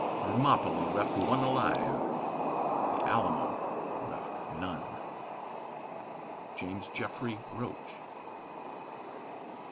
"Thermopylæ left one alive the Alamo left none." JAMES JEFFREY ROCHE.